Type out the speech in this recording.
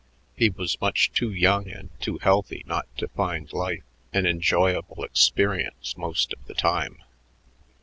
He was much too young and too healthy not to find life an enjoyable experience most of the time.